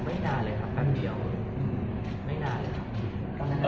ไม่นานเลยครับแป๊บเดี๋ยวไม่นานเลยครับ